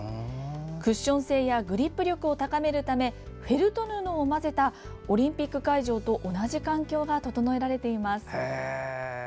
クッション性やグリップ力を高めるためフェルト布を混ぜたオリンピック会場と同じ環境が整えられています。